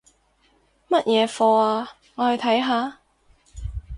乜嘢課吖？我去睇下